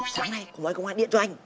sáng nay có một anh công an điện cho anh